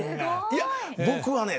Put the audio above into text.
いや僕はね